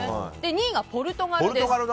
２位がポルトガルです。